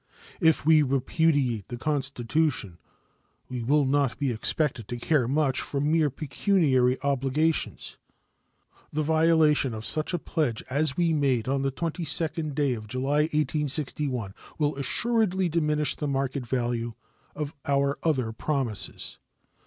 If we repudiate the Constitution, we will not be expected to care much for mere pecuniary obligations. The violation of such a pledge as we made on the 22d day of July, 1861, will assuredly diminish the market value of our other promises.